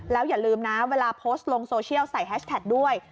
แล้วอย่าลืมนะเวลาโพสต์ลงโซเชียลใส่แฮชแท็กด้วย